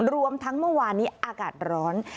รวมทั้งเมื่อวานนี้อากาศร้อน